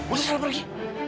udah sana pergi